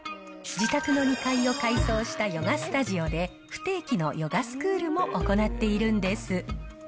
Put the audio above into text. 自宅の２階を改装したヨガスタジオで、不定期のヨガスクールも行っているんです。